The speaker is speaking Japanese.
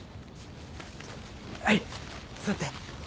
はい座って。